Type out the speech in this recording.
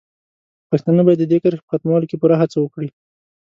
پښتانه باید د دې کرښې په ختمولو کې پوره هڅه وکړي.